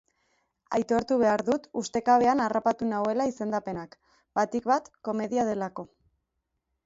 Aitortu behar dut ustekabean harrapatu nauela izendapenak, batik bat, komedia delako.